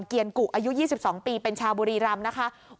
เกียรกุอายุ๒๒ปีเป็นชาวบุรีรำนะคะ